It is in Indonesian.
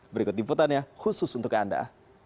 berikut liputannya khusus untuk anda